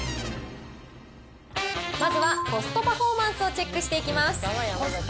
まずはコストパフォーマンスをチェックしていきます。